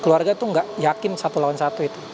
keluarga itu gak yakin satu lawan satu itu